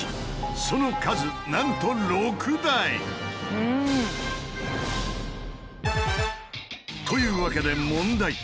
その数なんと６台！というわけで問題。